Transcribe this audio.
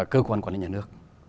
cơ quan quản lý nhà nước